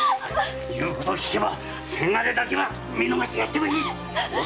言うことをきけば伜だけは見逃してやってもいいんだ！